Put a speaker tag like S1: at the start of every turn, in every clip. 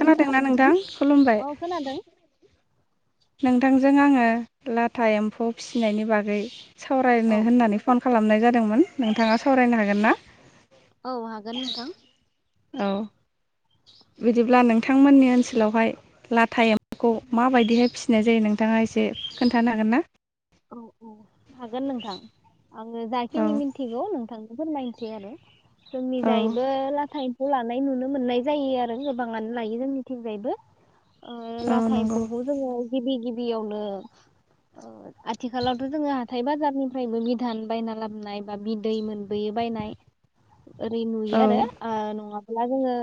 S1: खोनादोंना नोंथां खुलुमबाय।
S2: अ खोनादों
S1: नोंथांजों आङो लाथा एम्फौ फिसिनायनि बागै।
S2: औ
S1: सावरायनो होननानै फन। खालामनाय जादोंमोन नोंथाङा सावरायनो हागोन ना।
S2: औ हागोन नोंथां।
S1: औ बिदिब्ला नोंथांमोननि ओनसोलावहाय लाथा एमफौ। खौ मा बायदिहाय फिसि फिनाय जायो नोंथाङा एसे खोन्थानो हागोन ना।
S2: औ। हागोन नोंथां। आङो
S1: औ
S2: जाखिनि मिन्थिगौ नोंथां‌। फोरमायनोसै आरो। जोंनि
S1: औ
S2: जायैबो लाथा एम्फौ। लानाय नुनो मोननाय जायो आरो गोबाङानो लायो जों थिंजायबो। ओ
S1: औ
S2: लाथा
S1: नंगौ
S2: इमफौखौ जोङो गिबि गिबि। बेयावनो ओ। आथिखालावथ' जोङो हाथाय बाजारनिफ्रायबो बिधान बायना लाबोन बा बिदै मोन। बोयो बायनाय ओरै नुयो
S1: औ
S2: आरो ओ नङा हला जोङो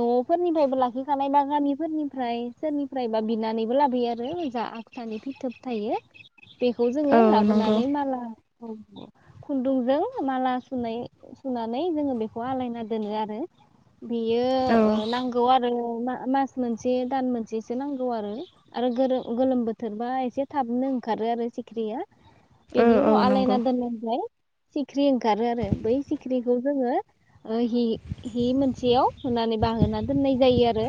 S2: न'फोरनिफ्रायबो लाखिखानाय बा गामिफोरनिफ्राय सोरनिफ्रायबा बिनानैबो लाबोयो आरो जा आखसानि फिथोब थायो बेखौ जोङो
S1: औ नंगौ
S2: लाबोनानै माला औ खुन्दुंजों माला सुनाय सुनानै जोङो बेखौ आलायना दोनो आरो। बेयो
S1: औ
S2: ओ नांगौ आरो। मा-मास मोनसे दान मोनसेसो नांगौ आरो आरो गोरो-गोलोम बोथोरबा एसे थाबनो खारो आरो सिख्रिया
S1: औ
S2: बेनि
S1: औ
S2: उनाव आलायना
S1: नंगौ
S2: दोन [unintelligible] सिख्रि ओंखारो आरो बै सिख्रिखौ जोंङो हि हि मोनसेयाव होनानै बाहोना दोननाय जायो आरो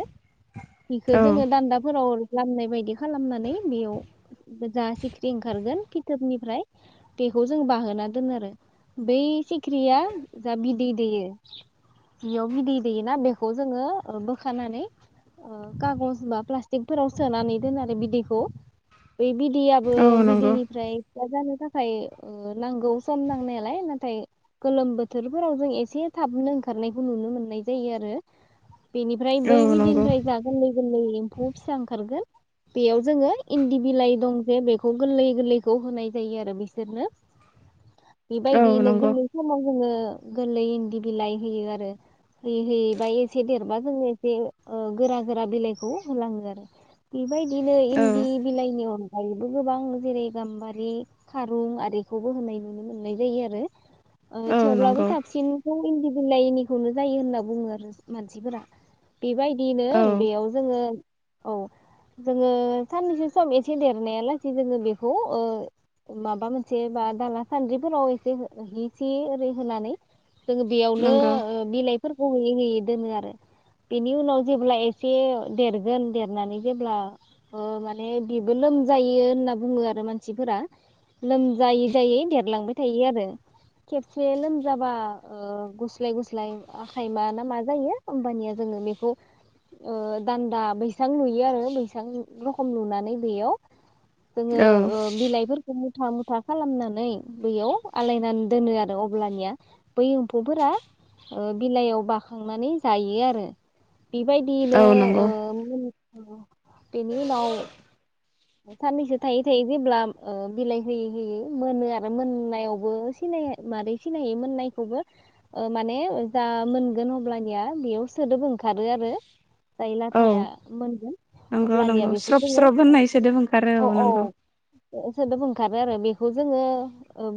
S2: हिखौ
S1: औ
S2: जोंङो दान्दाफोराव लामनाय बायदि खालामनानै बेयाव गोजा सि ख्रि ओंखारगोन फिथोबनिफ्राय बेखौ जों बाहोना दोनो आरो बै सि ख्रिया जा बिदै दैयो बियाव बिदै दैयोना बे खौ जोंङो ओ बोखानानै ओ कागज बा पलासटिक फोराव सोनानै दोननो आरो बिदैखौ बे बिदै बो
S1: औ नंगौ
S2: बिदैनिफ्राय फिसा जानो थाख खाय ओ नांगौ सम नांनायालाय नाथाय गोलोम बोथोरफोराव जों एसे थाबनो ओंखारनायखौ नुनो मोननाय जायो आरो बेनिफ्राय
S1: औ
S2: बै
S1: नंगौ
S2: बदिनिफ्राय जा गोरलै गोरलै एम्फौ फिसा ओंखारगोन बेयाव जोंङो इन्दि बिलाइ दं जे बे खौ गोरलै गोरलैखौ होनाय जायो, आरो बिसोरनो
S1: औ
S2: बेबायदियैनो
S1: नंगौ
S2: गोरलै समाव जोंङो गोरलै इन्दि बिलाइ होयो आरो होयै होयै बा एसे देद बा जों एसे ओ गोरा गोरा बिलाइखौ होलांङो आरो बेबायदिनो
S1: औ
S2: इन्दि बिलाइनि अन‌ [unintelligible] बो गोबां जेरै गाम्बारि खारुं आरिखौबो होनाय नुनो मोननाय जायो आरो ओ
S1: औ
S2: थेवब्लाबो
S1: नंगौ
S2: साबसिनखौ इन्दि [unintelligible] निखौनो जायो होनना बुंङो आरो मानसिफोरा बेबायदिनो
S1: औ
S2: बेयाव जोंङो औ जोंङो साननैसो सम एसे देर नाया लासेै जोंङो बेखौ ओ माबा मोनसे बा दाला सान्द्रिफोराव एसे हि सि ओरै होनानै जोंङो बेयावनो
S1: नंगौ
S2: ओ बिलाइ फोरखौ होयै होयै दोनो आरो बेनि उनाव जेब्ला एसे देरगोन देरनानै जेब्ला ओ माने बेबो लोम जायो होनना बुङो आरो मानसिफोरा लोमजायै- जायै देरलांबाय थायो आरो खेबसे लोमजाबा गुस्लाय- गुस्लाय आखाइ मा ना मा जायो ओमबानिया जोङो बेखौ दान्दा बैसां लुयो, आरो बैसां रखम लुनानै [unintelligible] जोंङो
S1: औ
S2: ओ बिलाइफोरखौ [unintelligible] मुथा -मुथा खालामनानै बैयाव आलायनानै दोनो आरो अब्लानिया बै एम्फौफोरा बिलाइयाव बाखांनानै जायो आरो। बेबायदियैनो
S1: औ
S2: ओ
S1: नंगौ
S2: औ बेनि उनाव साननैसो थायै- थायै जेब्ला बिलाइ होयै -होयै मोनो आरो। मोननायावबो सिनाय मारै सिनायै मोननायखौबो माने जा मोनगोन अब्लानिया बेयाव सोदोब ओंखारो आरो। जाय
S1: औ
S2: लाथाया मोनगोन
S1: नंगौ
S2: अब्लानिया
S1: नंगौ
S2: बेखौ
S1: स्रब
S2: जोङो
S1: स्रब होननाय सोदोब ओंखारो
S2: औ -औ
S1: नंगौ
S2: [unintelligible] लोगो ओंखारो आरो बेखौ जोङो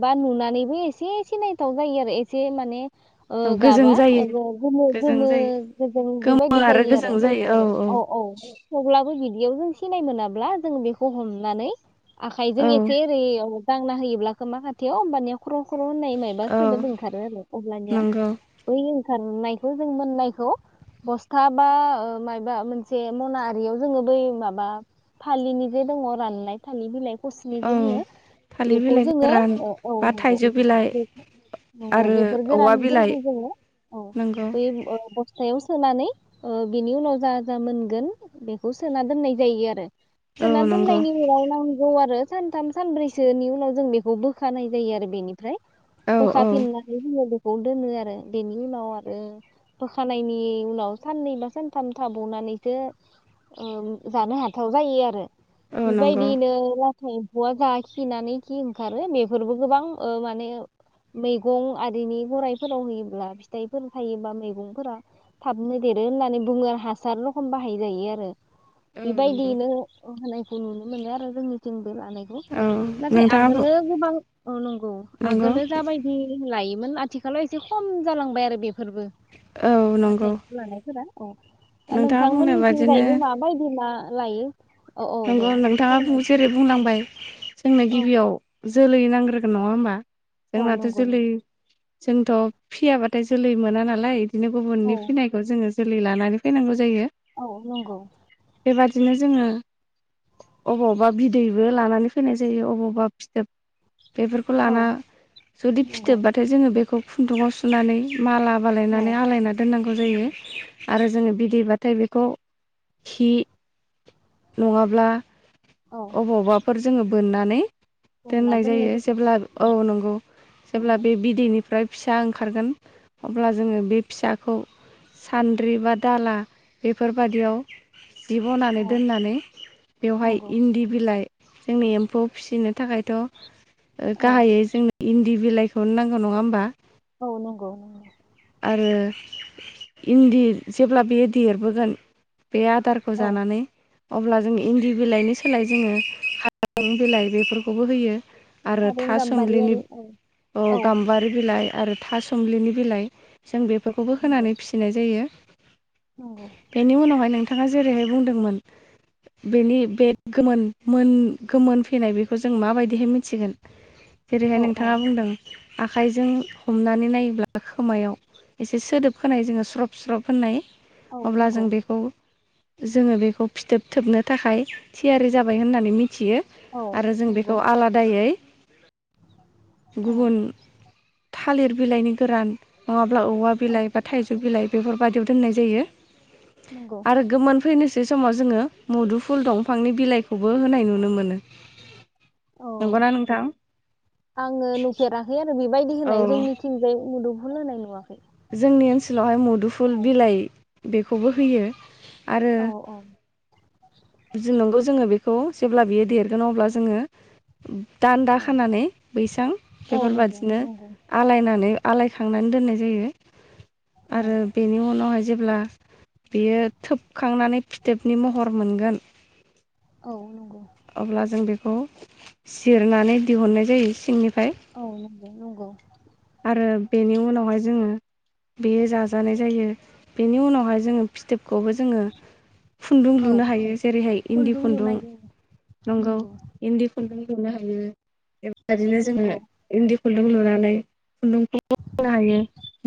S2: बा नुनानैबो एसे सिनायथाव जायो आरो एसे माने
S1: औ गोजों
S2: गाबा
S1: जायो
S2: गोमो
S1: गोजों
S2: -गोमो
S1: जायो
S2: गोजों बेबायदि जायो आरो औ औ थेवब्लाबो बिदि [unintelligible] जों सिनाय मोनाब्ला जों [unintelligible] [unintelligible] हमनानै आखाइजों
S1: औ
S2: एसे ओरै दांना होयोब्ला खोमा खाथियाव होमबा ख्र'- ख्र' होननाय मायबा
S1: औ
S2: सोदोब ओंखारो आरो अब्लानिया
S1: नंगौ
S2: बै रानायखौ जों मोननायखौ बस्था बा माबा मोनसे मना आरियाव जोङो बै माबा फालिनि दङ रानलाय थालि बिलाइ फस्लि
S1: औ
S2: जे बुङो
S1: थालिर
S2: बेखौ
S1: बिलाइ
S2: जोङो
S1: गोरान
S2: औ -औ
S1: बा
S2: नंगौ
S1: थाइजौ बिलाइ
S2: -नंगौ
S1: आरो
S2: बेफोर
S1: औवा बिलाइ
S2: गोरानफोरखौ जोङो औ
S1: नंगौ
S2: बै बसथायाव सोनानै ओ बिनि उनाव जा -जा मोनगोन बेखौ सोना दोननाय जायो आरो।
S1: औ
S2: सोना
S1: नंगौ
S2: दोननायनि उनाव नांगौ आरो सानथाम सानब्रैसोनि उनाव जों बेखौ बोखानाय जायो आरो बेनि ओमफ्राय
S1: औ
S2: बोखा
S1: औ
S2: फिननानै जों दोनो आरो बेनि उनाव आरो बोखानायनि उनाव साननै बा सानथाम थाबावनानैसो ओ जानो हाथाव जायो आरो।
S1: औ नंगौ
S2: बेबायदिनो [unintelligible] एम्फौआ जा खिनानै खि ओंखारो बेफोरबो गोबां ओ माने मैगं आरिनि गराइफोराव होयोब्ला फिथाइफोर थायोबा मैगंफोरा थाबनो देरो होननानै बुङो हासार रखम बाहाय जायो आरो।
S1: औ नंगौ
S2: बेबायदियैनो होनायखौ नुनो मोनो आरो जोंनिथिं। लानाखौ
S1: औ
S2: नाथाय
S1: नोंथाङा
S2: आगोलो गोबां औ नंनौ
S1: नंगौ
S2: आगोलो जाबायदि लायो आथिखालाव एसे खम जालांबाय आरो बे फोरबो
S1: औ नंगौ
S2: नाथाय लानायफोरा औ दा
S1: नोंथाङा बुंनाय बादिनो
S2: नोंथांमोननिथिंगायैबो माबायदि मा लायो। औ औ
S1: नंगौ
S2: दे
S1: नोंथाङा
S2: फोरमाय
S1: जेरै बुंलांबाय जोंनो
S2: औ
S1: गिबियाव जोलै नांग्रोगोन नङा होनबा।
S2: औ
S1: जोंनाथ'
S2: नंगौ नंगौ
S1: जोलै जोंथ' फियाबाथाय जोलै मोना नालाय। दिनो गुबुननि
S2: औ
S1: फिनायखौ जोङो जोलै लानानै फैनांगौ जायो।
S2: औ नंगौ
S1: दिनो जोङो अबावबा बिदैबो लानानै फैनाय जायो अबावबा फिथोब बेफोरखौ
S2: औ
S1: लाना जुदि
S2: नंगौ
S1: फिथोबबाथाय जोङो बेखौ खुन्दुंआव सुनानै माला
S2: औ
S1: बालायनानै आलायना दोननांगौ जायो।
S2: नंगौ
S1: आरो जोङो बिदैबाथाय बेखौ हि नङाब्ला
S2: औ
S1: अबावबाफोर जोङो बोननानै दोननाय जायो जेब्ला औ नंगौ जेब्ला
S2: नंगौ
S1: बे बिदैनिफ्राय फिसा ओंखारगोन अब्ला जोङो बे फिसाखौ सान्द्रि बा दाला बेफोरबादियाव जि ब'नानै
S2: औ
S1: दोननानै बेवहाय
S2: नंगौ
S1: इन्दि बिलाइ जोंनि एम्फौआव फिनो थाखायथ'
S2: औ
S1: गाहायै जोंनो इन दि बिलाइखौनो नांगौ नङा होमबा?
S2: औ नंगौ नंगौ
S1: आरो इन्दि जेब्ला बेयो देरबोगोन बे आदारखौ
S2: औ
S1: जानानै अब्ला जोङो इन्दि बिलाइनि सोलाय जोङो हारें बिलाइ बेफोरखौबो होयो। आरो
S2: आरुं
S1: थासुमलिनि
S2: गाम्बारियारि औ
S1: औ गाम्बारि बिलाइ आरो थासुमलिनि बिलाइ जों बे फोरखौबो
S2: नंगौ
S1: होनानै फिसिनाय जायो।
S2: नंगौ
S1: बेनि उनावहाय नोंथां थाङा जेरैहाय बुंदोंमोन बेनि बे गोमोन मोन गोमोन फैनाय बेखौ जों माबायदिहाय मिथिगोन? जेरैहाय
S2: औ औ
S1: नोंथाङा बुंदों आखाइजों हमनानै नायोब्ला खोमायाव एसे सोदोब खोनायो जोङो स्रब स्रब होननाय।
S2: औ
S1: अब्ला जों
S2: नंगौ
S1: बेखौ जोङो बेखौ फिथोब थोबनो थाखाय थियारि जाबाय होननानै मिथियो
S2: औ
S1: आरो जों बेखौ
S2: नंगौ
S1: आलादायै
S2: औ
S1: गुबुन थालिर बिलाइनि गोरान अ अब्ला औवा
S2: औ
S1: बिलाइ बा थाइजौ बिलाइ बेफोरबायदियाव दोननाय जायो
S2: नंगौ
S1: आरो गोमोन फैनोसै समाव जोङो मुदुफुल दंफांनि बिलाइखौबो होनाय नुनो मोनो
S2: औ
S1: नंगौना नोंथां
S2: बायदि
S1: औ
S2: होनाय जोंनिथिंजाय मुद [unintelligible]
S1: जोंनि ओनसोलावहाय मुदुफुल बिलाइ बेखौबो होयो आरो
S2: औ
S1: जेनबा जोङो बेखौ जेब्ला बियो देरगोन अब्ला जोङो ओम दान्दा
S2: औ
S1: खानानै बैसां
S2: औ नंगौ
S1: बेफोरबादिनो
S2: नंगौ
S1: आलायनानै आलायखांनानै दोननाय जायो
S2: औ
S1: आरो बेनि उनावहाय जेब्ला बियो थोबखांनानै फिथोबनि महर मोनगोन
S2: औ नंगौ
S1: अब्ला जों बेखौ सिरनानै दिहुननाय जायो सिंनि
S2: औ नंगौ नंगौ
S1: आरो बेनि उनावहाय जोङो बेयो जाजानाय जायो बेनि उनावहाय जोङो फिथोबखौबो जोङो खुन्दुं
S2: औ
S1: लुनो हायो जेरैहाय इन्दि खुन्दुं नंगौ इन्दि खुन्दुं लुनो हायो बेबायदिनो जोङो
S2: नंगौ
S1: इन्दि खुन्दुं लुनानै खुन्दुंखौबो होनो हायो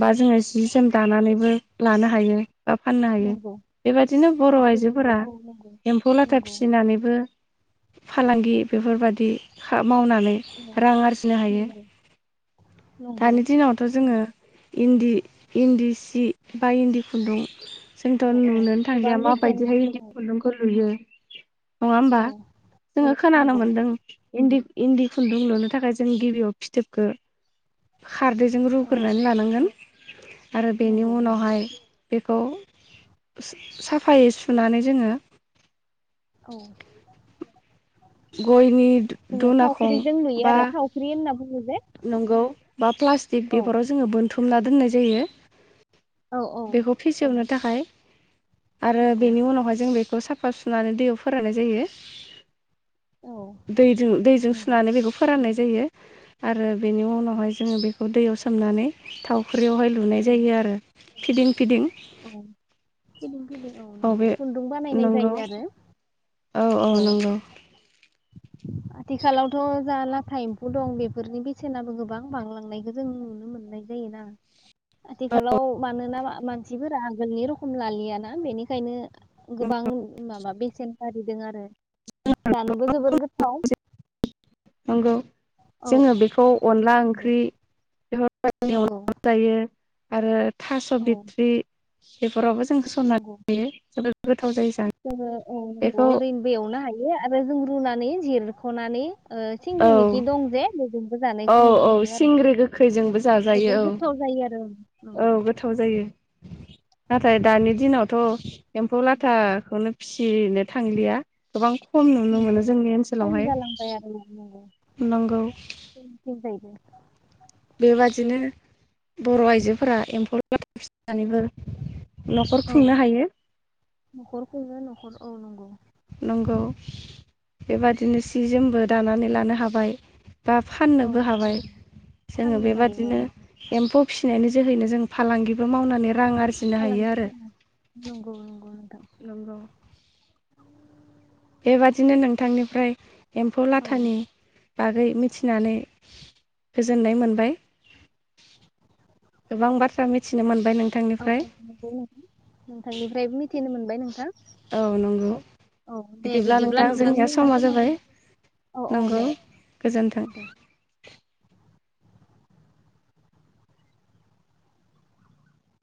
S1: बा जोङो जि जोम
S2: नंगौ
S1: दानानैबो लानो हायो बा फाननो हायो
S2: नंगौ
S1: बेबादिनो बर' आइजोफोरा
S2: आथिखालाव औ नंगौ
S1: एम्फौ लाथा
S2: नंगौ
S1: फिसिनानैबो फालांगि बेफोरबायदि [unintelligible] मावनानै
S2: औ
S1: रां आरजिनो हायो
S2: नंगौ नंगौ
S1: दानि दिनावथ' जोङो इन्दि इन्दि सि बा इन्दि खुन्दुं जोंथ'
S2: औ औ
S1: नुुनोनो
S2: गोबां
S1: थांदिया
S2: बेसेन
S1: माबायदिहाय बि
S2: औ
S1: खुन्दुंखौ लुयो नङा होमबा
S2: औ
S1: जोङो खोनानो
S2: नंगौ
S1: मोनदों इन्दि इन्दि खुन्दुं लुनो थाखाय जों गिबियाव फिथोबखो खारदैजों
S2: औ
S1: रुग्रोनानै लानांगोन। आरो बेनि
S2: नंगौ नंगौ
S1: उनावहाय बेखौ साफायै सुनानै जोंङो
S2: औ।
S1: गयनि
S2: जोङो
S1: दु-दुनाखं
S2: थावख्रिजों लुयो
S1: बा
S2: आरो थावख्रि होनना बुङो जे
S1: नंगौ बा प्लास्टिक
S2: औ
S1: बेफोराव जोङो बो थुमना दोननाय जायो।
S2: औ औ
S1: बेखौ फेसेयावनो थाखाय आरो
S2: नंगौ
S1: बेनि उनावहाय जों बेखौ साफ फा सुनानै दैयाव फोराननाय जायो।
S2: औ
S1: दैदो दैजों
S2: नंगौ
S1: सुनानै बेखौ फोराननाय जायो आरो बेनि उनावहाय जोङो बेखौ दैयाव सोमनानै थाव ख्रियावहाय लुनाय
S2: औ
S1: जायो आरो फिदिं फिदिं
S2: औ फिदिं फिदिं औ नंगौ
S1: अबे
S2: खुन्दुं बानायनाय
S1: नंगौ।
S2: जायो आरो
S1: औ औ नंगौ।
S2: आथिखालावथ' जा लाथा एम्फौ दं बेफोरनि बेसेनाबो गोबां बांलांनायखौ जों नुनो मोननाय जायोना? आथिखालाव मानोना मा मानसिफोरा आगोलनि रखम लालियाना बेनिखायनो गोबां माबा बेसेन बारिदों आरो। जोबोर गोथाव।
S1: नंगौ
S2: औ
S1: जोङो
S2: औ
S1: बेखौ अनला ओंख्रि [unintelligible]
S2: नंगौ
S1: [unintelligible] जायो। आरो थास'
S2: औ
S1: बिथ्रि बेफोरावबो जों होसनना
S2: नंगौ
S1: जायो जोबोद गोथाव जायो जानो
S2: जोङो औ नंगौ
S1: बेखौ
S2: ओरैनोबो एवनो हायो आरो जों रुनानै जिरख'नानै ओ
S1: औ
S2: सिंग्रि मेखि दं जे बेजोंबो
S1: औ
S2: जानायखौ नुनो
S1: औ
S2: मोनो आरो
S1: सिंग्रि गोखैजोंबो
S2: बेजों
S1: जाजायो औ
S2: गोथाव जायो आरो
S1: औ
S2: नंगौ।
S1: गोथाव जायो नाथाय दानि दिनावथ' एम्फौ लाथाखौनो फिसिनो थांलिया गोबां खम नुनो
S2: नंगौ
S1: मोनो जोंनि
S2: खम
S1: ओनसोलावहाय
S2: जालांबाय आरो
S1: नंगौ
S2: दे
S1: बेबादिनो बर' आइजोफोरा एम्फौ फिसिनानैबो
S2: औ न'खरखौनो न'खर औ नंगौ
S1: नंगौ बेबादिनो सि जोमबो दानानै लानो हाबाय बा
S2: औ
S1: फाननोबो हाबाय
S2: नंगौ
S1: जोङो
S2: फाननोबो हायो औ
S1: बेबादिनो एम्फौ फिसिनायनि जोहैनो जों फालांगिबो मावनानै रां आरजिनो हायो
S2: फालांगि
S1: आरो
S2: नंगौ-नंगौ नोंथां
S1: नंगौ बेबादिनो नोंथांनिफ्राय एम्फौ
S2: औ
S1: लाथानि बागै मिथिनानै गोजोननाय मोनबाय गोबां बाथ्रा मिथिनो मोनबाय
S2: औ
S1: नोंथांनिफ्राय
S2: नंगौ नोंथांनिफ्रायबो मिथिनो मोनबाय नोंथां
S1: औ नंगौ बिदिब्ला नोंथां जोंनिया समा जाबाय
S2: औ औ दे
S1: नंगौ गोजोन्थों
S2: दे